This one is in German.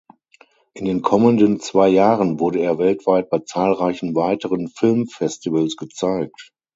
In den kommenden zwei Jahren wurde er weltweit bei zahlreichen weiteren Filmfestivals gezeigt.